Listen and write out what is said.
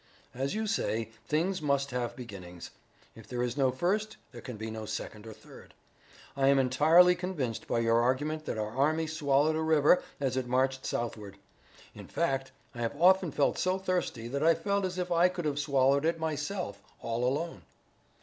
As you say, things must have beginnings. If there is no first, there can be no second or third. I am entirely convinced by your argument that our army swallowed a river as it marched southward. In fact, I have often felt so thirsty that I felt as if I could have swallowed it myself all alone."